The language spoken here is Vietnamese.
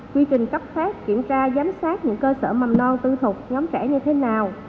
quy trình cấp phép kiểm tra giám sát những cơ sở mầm non tư thục nhóm trẻ như thế nào